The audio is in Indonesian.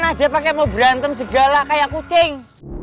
aja pakai mau berantem segala kayak kucing